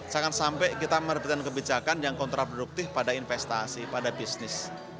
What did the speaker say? jangan sampai kita merebutkan kebijakan yang kontraproduktif pada investasi pada bisnis